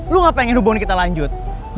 lo gak pengen hubungin kita lanjut